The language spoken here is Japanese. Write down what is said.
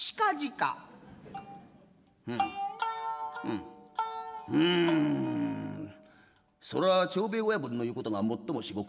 「うんうんうむそりゃあ長兵衛親分の云うことがもっとも至極！